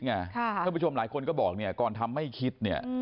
คุณผู้ชมหลายคนก็บอกก่อนทำไม่คิด